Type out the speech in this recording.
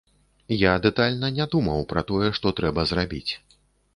Я дэтальна не думаў пра тое, што трэба зрабіць.